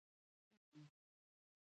يا هاغه د يتيم اوښکې چې پۀ خپل ګريوان وچيږي